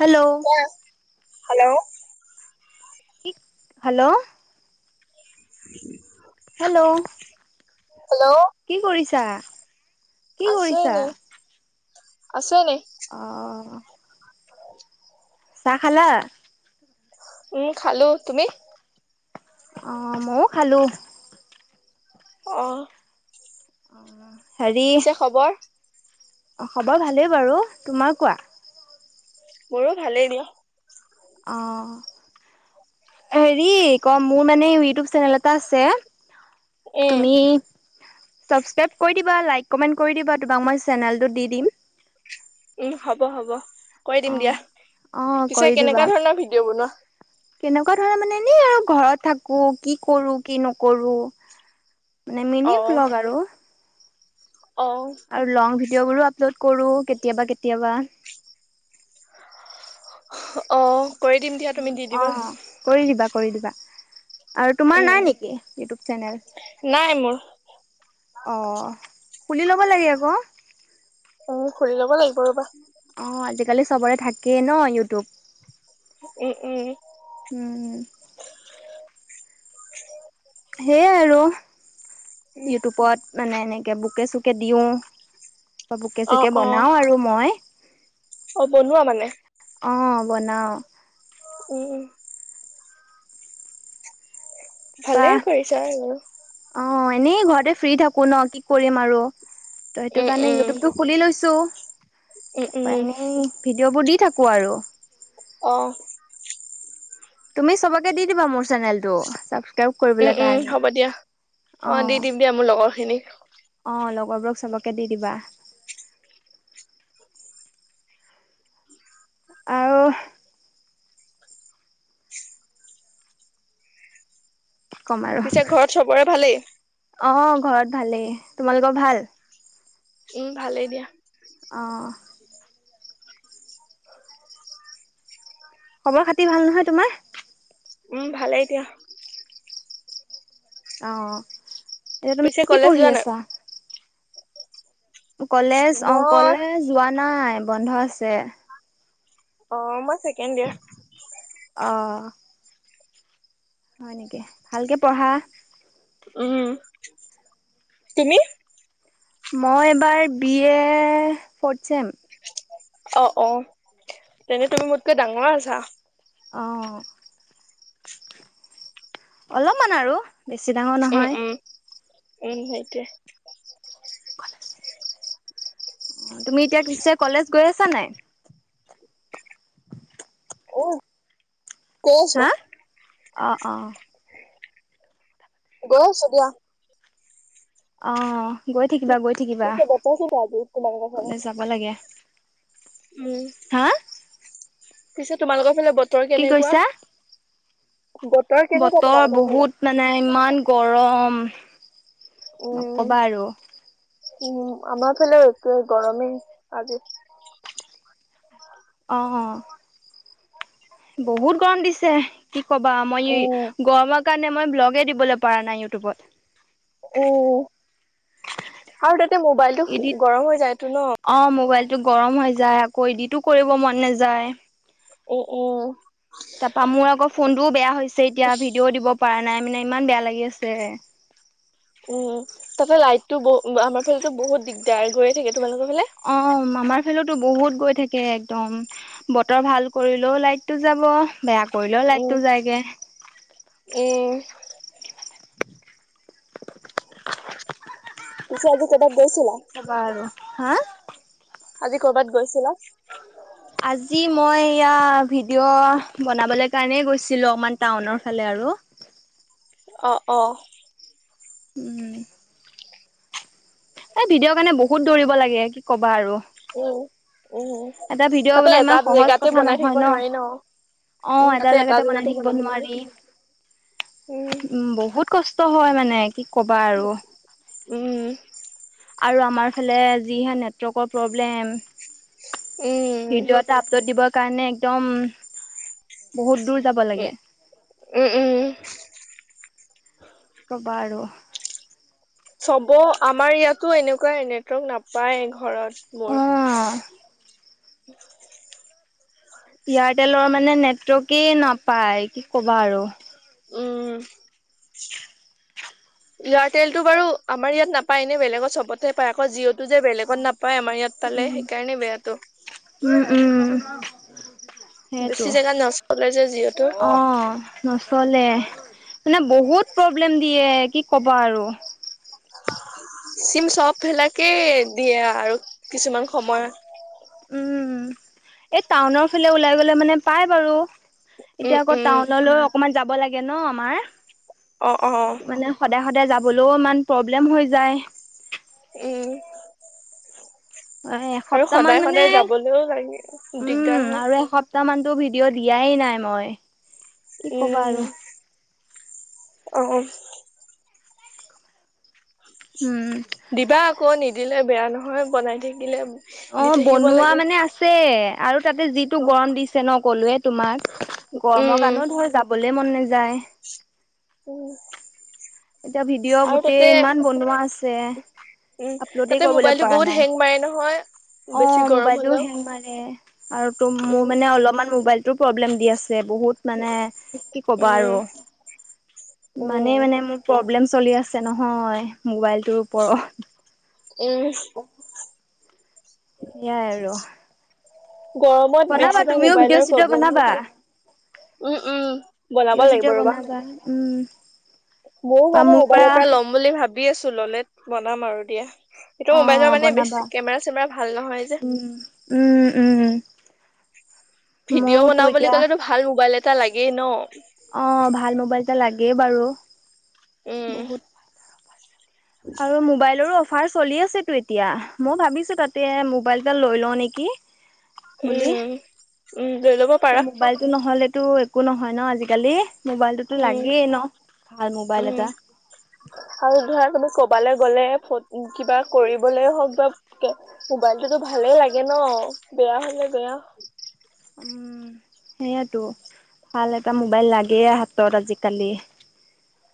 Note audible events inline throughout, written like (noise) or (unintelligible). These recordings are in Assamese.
হেল্ল'। কোৱা? হেল্ল' কি হেল্ল' (inaudible) হেল্ল', কি কৰিছা? কি আছোঁ কৰিছা? এনেই, আছোঁ এনেই। অ' চাহ খালা? উম খালো, তুমি? অ' মইও খালো। অ' হেৰি পিছে খবৰ? অ', খবৰ ভালেই বাৰু, তোমাৰ কোৱা? মোৰো ভালেই দিয়া। অহ হেৰি ক মোৰ মানে ইউটিউব চেনেল এটা আছে, উম তুমি ছাবস্ক্ৰাইব কৰি দিবা লাইক, কমেণ্ট কৰি দিবা তোমাক মই চেনেলটো দি দিম। উম', হ'ব, হ'ব কৰি দিম দিয়া। অ' অ' পিছে কৰি দিবা। কেনেকুৱা ধৰণৰ ভিডিঅ' বনোৱা? কেনেকুৱা ধৰণৰ মানে এনে, আৰু ঘৰত থাকো কি কৰোঁ কি নকৰোঁ (inaudible) মানে মিনি ব্লগ আৰু। অহ। আৰু লং ভিডিঅ'বোৰো আপলোড কৰোঁ, কেতিয়াবা কেতিয়াবা। অহ। অ কৰি দিবা, কৰি দিবা। আৰু তোমাৰ উম নাই নেকি ইউটিউব চেনেল? নাই মোৰ অ খুলি ল'ব লাগে আক। উ খুলি ল'ব লাগিব ৰ'বা। অ', আজিকালি চবৰে থাকেই ন ইউটিউব। উম', উম' উম' সেয়াই আৰু, ইউটিউবত মানে এনেকৈ বোকে -চোকে দিওঁ, বা বোকে অ -চোকে অ বনাওঁ আৰু মই। অ', বনোৱা মানে? অ', বনাও। উম' তাৰপা ভালেই কৰিছা সেইবোৰ। অ', এনেই ঘৰতে ফ্ৰী থাকো ন? কি কৰিম আৰু, তো সেইটো উম কাৰণে উম ইউটিউবটো খুলি লৈছোঁ, উম তাৰপৰা উম এনেই ভিডিঅ'বোৰ দি থাকোঁ আৰু, অ, তুমি চবকে দি দিবা মোৰ চেনেলটো। ছাবস্ক্ৰাইব উম কৰিবলৈ উম কাৰণে হ'ব দিয়া অ,। দি দিম দিয়া মোৰ লগৰ খিনিক অ, লগৰবোৰক চবকে দি দিবা। আৰু কি কম আৰু পিছে ঘৰত চবৰে ভালেই অ, ঘৰত ভালেই। তোমালোকৰ ভাল? উম, ভালেই দিয়া। অ, খবৰ খাতি ভাল নহয় তোমাৰ? উম, ভালেই দিয়া। অঁ, এতিয়া তুমি পিছে কি কলেজ পঢ়ি যোৱা নাই আছা? কলেজ অ, মই কলেজ যোৱা নাই বন্ধ আছে। অ, মই ছেকেণ্ড ইয়াৰ। অ, হয় নেকি? ভালকে পঢ়া। উম, তুমি? মই এইবাৰ বি এ ফৰ্থ চেম। অ-অ তেনে তুমি মোতকৈ ডাঙৰ আছা। অঁ, অলপমান আৰু। বেছি ডাঙৰ নহয়। উম-উম উম, এই সেইটোয়ে। তুমি এতিয়া পিছে কলেজ গৈ আছা নাই? অ, গৈ আছো। হা অ অ গৈ আছো দিয়া। অ গৈ থাকিবা (unintelligible) গৈ থাকিবা তোমালোকৰ ঘৰলে। কলেজ যাব লাগে উম, হা পিছে তোমালোকৰ ফালে বতৰ কি কেনেকুৱা? কৈছা কেনেকুৱা বতৰ তোমালোকৰ ফালে বহুত মানে ইমান গৰম। উম, নকবা আৰু উম, আমাৰ ফালেও এক গৰমেই আজি। অ-অ বহুত গৰম দিছে কি কবা মই উম গৰমত কাৰণে মই ব্লগেই দিবলৈ পৰা নাই ইউটিউবত। উম আৰু তাতে মোবাইলটো ইডিট গৰম হৈ যায়টো ন'? অ, মোবাইলটো গৰম হৈ যায় আকৌ ইদিটো কৰিব মন নাযায়। উম -উম তাৰপা মোৰ আকৌ ফোনটোও বেয়া হৈছে এতিয়া ভিডিঅ'ও দিব পৰা নাই মানে ইমান বেয়া লাগি আছে। উম, তাতে লাইটটো বহু আমাৰ ফালেতো বহুত দিগদাৰ। থাকে তোমালোকৰ ফালে? অ, আমাৰ ফালতো বহুত গৈ থাকে একদম। বতৰ ভাল কৰিলেও লাইটটো যাব, বেয়া কৰিলেও লাইট উম, টো যায়গে। উম, (unintelligible) পিছে আজি ক'বাত গৈছিলা? বাৰু। হা? আজি কৰ'বাত গৈছিলা? আজি মই এয়া ভিডিঅ' বনাবলৈ কাৰণেই গৈছিলোঁ অকমান, টাউনৰ ফালে আৰু। অ', অ'। উম। এই ভিডিঅ' কাৰণে বহুত দৌৰিব লাগে, কি ক'বা আৰু। উম, উম। এটা ভিডিঅ' তাতে বনোৱা এটা ইমান দু সহজ জেগাতে কথা বনাই নহয় থাকিব নোৱাৰি ন'। উম, অ' এটা তাতে জেগাতে বনাই থাকিব বনাব নোৱাৰে। নোৱাৰি, উম বহুত কষ্ট ষ্ট হয় মানে, কি ক'বা আৰু। উম, উম। আৰু আমাৰ ফালে যিহে নেটৱৰ্কৰ প্ৰব্লেম, উম, ভিডিঅ' এটা আপ লোড দিবৰ কাৰণে একদম, বহুত দূৰ যাব লাগে। উম, উম, উম। ক'বা আৰু। চবৰ, আমাৰ ইয়াতো এনেকুৱাই নেটৱৰ্ক নাপায় ঘৰত অ মোৰ। এয়াৰটেলৰ মানে নেটৱৰ্কেই নাপায়, কি ক'বা আৰু। উম। এয়াৰটেলটো বাৰু আমাৰ ইয়াত নাপায়, এনে বেলেগত চবতে পায়। আকৌ জিঅ' টো যে বেলেগত নাপায়, আমাৰ ইয়াত পালে উম সেইকাৰণে বেয়াটো। উম, উম। বেছি সেইটো, জেগাত নচলে যে যিহেতু অ'। নচলে। মানে বহুত প্ৰব্লেম দিয়ে, কি ক'বা আৰু। চিম চব বিলাকেই দিয়ে আৰু কিছুমান সময়ত। উম, এই টাউনৰ ফালে ওলাই গ'লে মানে পাই বাৰু। উম এতিয়া আকৌ উম টাউনলৈ অকমান যাব লাগে ন, আমাৰ। অ', অ', অ'। মানে সদায় সদায় যাবলৈও ইমান প্ৰব্লেম হৈ যায়। উম। এ, আৰু এসপ্তাহ মান সদায় মানে, সদায় যাবলৈও লাগে দিগদাৰ উম হয় আৰু এসপ সপ্তাহমানটো ভিডিঅ' দিয়াই নাই, ওমই। উম, উম। অ', অ'। উম। দিবা আকৌ, নিদিলে বেয়া নহয় বনাই থাকিলে। দি অ' থাকিব বনোৱা লাগে মানে আছে আৰু তাতে যিটো অ গৰম দিছে ন, কলোৱে তোমাক। গৰমৰ উম কাৰণেও ধৰ যাবলৈ মন নাযায়। উম। এতিয়া ভিডিঅ' আৰু তাতে গোটেই ইমান বনোৱা আছে। উম আপলোডে তাতে কৰিবলৈ মোবাইলটো পৰা বহুত নাই, হেং মাৰে নহয় বেছি অ' গৰম ম'বাইলটোৱেও হলেও হেং মাৰে। আৰু ত' মোৰ উম মানে অলপমান মোবাইলটো প্ৰব্লেম দি আছে, বহুত। মানে, কি ক'বা উম আৰু, ইমানে উম মানে মোক প্ৰব্লেম চলি আছে নহয়, মোবাইলটোৰ ওপৰত। এই। (unintelligible) সেয়াই আৰু, গৰমত বনাবা বেছিভাগ তুমিও মোবাইলৰ ভিডিঅ-চিডিঅ' প্ৰব্লেম বনাবা। থাকে উম উম বনাব ভিডিঅ'-চিডিঅ' বনাবা, উম। মইও বা মানে মোৰ ম'বাইল পৰা এটা ল'ম বুলি ভাবি আছো, ল'লে বনাম আৰু দিয়া। এইটো অ মোবাইলৰ মানে বেছি বনাবা কেমেৰা চেমেৰা ভাল নহয় যে। উম উম উম ভিডিঅ' ময়োতো বনাও বুলি এতিয়া ক'লেতো ভাল মোবাইল এটা লাগেই ন। অ ভাল মোবাইল এটা লাগেই বাৰু। উম বহুত আৰু মোবাইলৰো অ ফাৰ চলি আছেতো এতিয়া মই ভাবিছো তাতে মোবাইল এটা লৈ লওঁ নেকি। বুলি উম উম, লৈ লব এতিয়া পাৰা। মোবাইলটো নহ'লেতো একো নহয় ন আজিকালি। মোবাইলটোতো উম লাগেই ন, ভাল মোবাইল উম এটা। আৰু ধৰা তুমি কবালৈ গ'লে কিবা কৰিবলে হওক বা মোবাইলটোতো ভালেই লাগে ন বেয়া হলে বেয়া উম সেয়েতো। ভাল এটা মোবাইল লাগেই হাতত আজিকালি।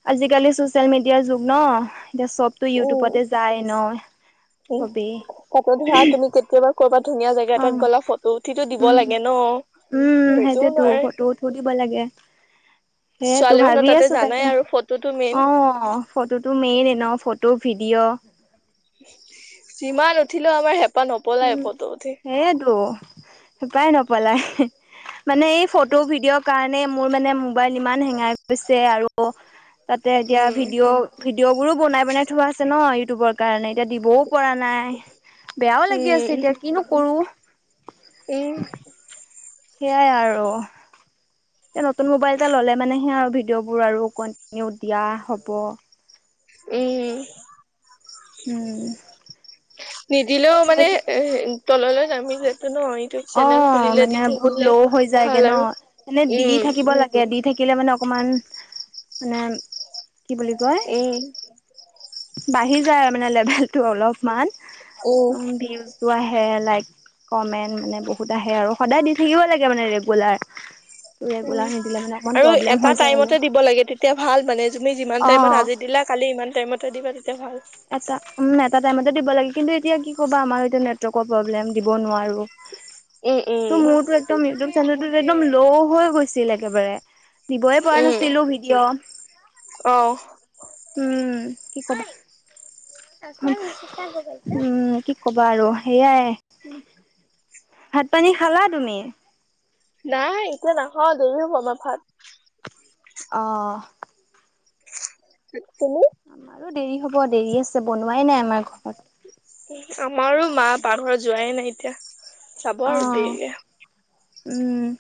আজিকালি চচিয়েল মিডিয়াৰ যুগ ন উম এতিয়া চব ইউটিউবতে উম যায় তাতে ন ধৰা তুমি চবেই। কেতিয়াবা কৰ'বাত ধুনীয়া জেগা অ এটাত গ'লা ফটো উঠিটো দিব উম লাগে ন। উম সেইটোও সেইটোতো নোৱাৰে ফটো উঠি দিব লাগে। সেইয়েতো ছোৱালী মানুহ ভাবি তাতে আছো জানাই তাকে আৰু ফটোটো মেইন অ। ফটোটো মেইনে ন ফটো, ভিডিঅ'। যিমান উঠিলেও আমাৰ হেঁপাহ নপলাই ফটো উঠি। সেয়েটো হেঁপাই নপলাই। মানে এই ফটো ভিডিঅ' কাৰণে মোৰ মানে মোবাইল ইমান হেঙাই গৈছে আৰু তাতে এতিয়া উম ভিডিঅ' ভিডিঅ' বোৰো বনাই বনাই থোৱা আছে ন ইউটিউবত। কাৰণে এতিয়া দিবও পৰা নাই, বেয়াও লাগি উম আছে এতিয়া কিনো কৰো। উম সেয়াই আৰু। এতিয়া নতুন মোবাইল এটা ল'লে মানেহে আৰু ভিডিঅ'বোৰ আৰু কণ্টিনিউ দিয়া হ'ব। উম উম নিদিলেও মানে এ তললৈ নামিলেটো ন ইউটিউব চেনেল অ' খুলিলে দি মানে বহুত থাকিলে ল' হৈ ভাল যায়গে ন। আৰু, এনে দি উম। থাকিব দি থাকিলে মানে অকমান মানে কি বুলি কয় এই বাঢ়ি যায় মানে লেভেলটো অলপমান উম ভিউ চো আহে লাইক কমেণ্ট মানে বহুত আহে আৰু সদায় দি থাকিব লাগে মানে ৰেগুলাৰ। উম ৰেগুলাৰ নিদিলে মানে অকমান আৰু প্ৰব্লেম এটা হৈ যায় আৰু টাইমতে দিব লাগে তেতিয়া ভাল মানে তুমি যিমান টাইমত অ'। আজি দিলা কালি ইমান টাইমত দিবা তেতিয়া ভাল। এটা উম এটা টাইমতে দিব লাগে কিন্তু এতিয়া কি ক'বা আমাৰ এতিয়া নেটৱৰ্কৰ প্ৰব্লেম দিব নোৱাৰো। উম ত উম মোৰতো একদম ইউটিউব চেনেলটো একদম ল' হৈ গৈছিল একেবাৰে। দিবই পৰা নাছিলো ভিডিঅ'। অঁ। উম কি কবা উম কি কবা আৰু সেয়াই। উম। ভাত পানী খালা তুমি? নাই এতিয়া নাখাওঁ দেৰি হ'ব আমাৰ ভাত। অঁ। তুমি? আৰু দেৰি হ'ব দেৰি আছে বনোৱাই নাই আমাৰ ঘৰত। আমাৰো মা পাকঘৰত যোৱাই নাই এতিয়া, যাব আৰু অ', দেৰিকে। উম।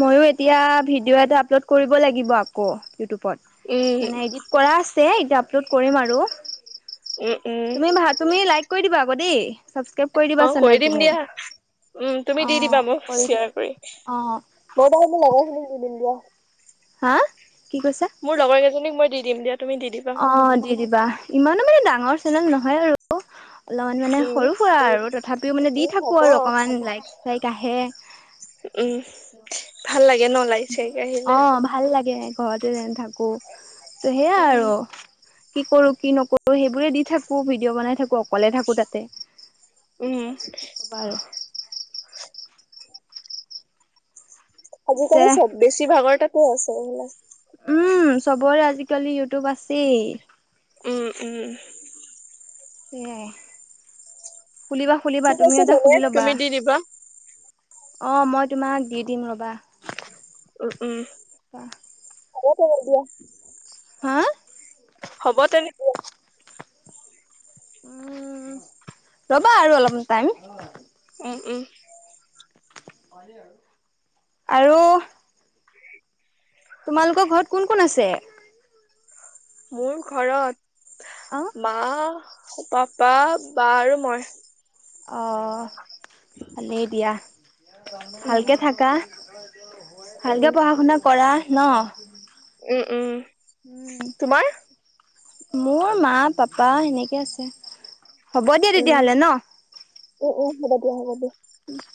মইও এতিয়া ভিডিঅ' এটা আপলোড কৰিব লাগিব আকৌ ইউটিউবত, মানে উম ইডিট কৰা আছে, এতিয়া আপলোড কৰিম আৰু। উম উম তুমি লাইক কৰি দিবা আকৌ দেই। ছাবস্ক্ৰাইব দিবা অ', কৰি চেনেলটো দিম মোৰ। দিয়া। উম, তুমি দি অ', দিবা মোক দিবা শ্বেয়াৰ কৰি অ'। মই বাৰু মোৰ লগৰখিনিক দি দিম দিয়া। হা', কি কৈছা? মোৰ লগৰ কেইজনীক মই দিম দিয়া, তুমি দি দিবা। মোক অ', দি দিবা, ইমানো মানে ডাঙৰ চেনেল নহয় আৰু। অলপমান মানে উম সৰু সুৰা আৰু তথাপিও মানে দি উম থাকো হ'ব আৰু অকমান লাইক লাইক আহে। উম, ভাল লাগে ন লাইক চাইক আহিলে? অ', ভাল লাগে ঘৰতে যেন থাকো, ত' সেয়া উম আৰু। কি কৰো কি নকৰো সেইবোৰে দি থাকো ভিডিঅ' বনাই থাকো। অকলে থাকোঁ তাতে উম বাৰু। পিছে আজিকালি চব বেছি ভাগৰ তাতে আছে এইবিলাক। উম, চবৰে আজিকালি ইউটিউব আছেই। উম, উম। এয়াই, খুলিবা খুলিবা ঠিক তুমিও আছে এটা তেনে খুলি ল'বা। তুমি দি দিবা অঁ, মই তোমাক দি দিম ৰ'বা। উম, উম। হ'ব তেনে দিয়া। হা'? হ'ব তেনে ৰ'বা আৰু অলপমান টাইম? উম, উম। আৰু তোমালোকৰ ঘৰত কোন কোন আছে? মোৰ ঘৰত অ মা পাপা বা আৰু মই। অঁ, ভালেই দিয়া উম ভালকে থাকা। উম ভালকে পঢ়া শুনা কৰা ন'। উম, উম। তোমাৰ? মোৰ মা পাপা সেনেকে আছে, হ'ব দিয়া উম, তেতিয়াহ'লে ন'। উম, উম হ'ব দিয়া হ'ব দিয়া। উম (unintelligible)